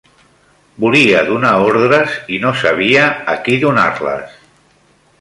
Volia donar ordres i no sabia a qui donar-les.